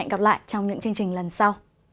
hẹn gặp lại các bạn trong những chương trình tiếp theo